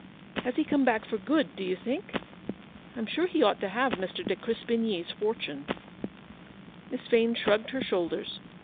Has he come back for good, do you think ? I'm sure he ought to have Mr. de Crespigny's fortune." LAUNCELOT. 287 Miss Vane shrugged her shoulders.